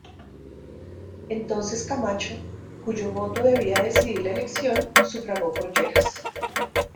Entonces Camacho, cuyo voto debía decidir la elección, sufragó por Lleras.